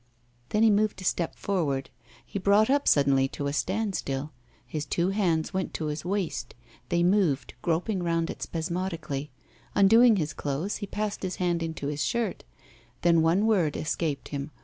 Then he moved a step forward. He brought up suddenly to a standstill. His two hands went to his waist. They moved, groping round it spasmodically. Undoing his clothes he passed his hand into his shirt. Then one word escaped him.